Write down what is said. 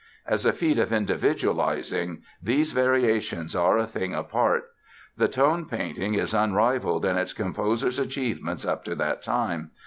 As a feat of individualizing these variations are a thing apart. The tone painting is unrivalled in its composer's achievements up to that time.